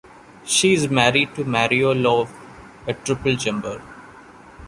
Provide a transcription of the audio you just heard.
She is married to Mario Lowe, a triple jumper.